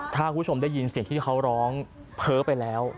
ถ้าคุณผู้ชมได้ยินเสียงที่เขาร้องเพ้อไปแล้ว